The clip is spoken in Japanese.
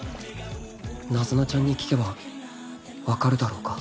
ナズナちゃんに聞けば分かるだろうか